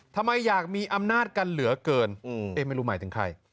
ทำไมอยากมีอำนาจกันเหลือเกินเอ๊ะไม่รู้หมายถึงใคร